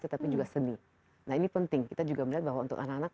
tetapi juga seni nah ini penting kita juga melihat bahwa untuk anak anak